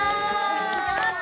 やった！